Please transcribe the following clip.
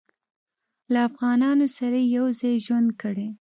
له افغانانو سره یې یو ځای ژوند کړی.